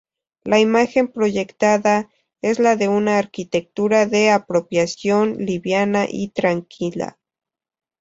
La imagen proyectada es la de una arquitectura de apropiación, liviana y tranquila.